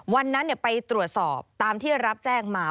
วันนั้นไปตรวจสอบตามที่รับแจ้งมา